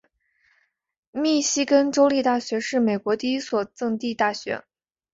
密歇根州立大学是美国第一所赠地大学。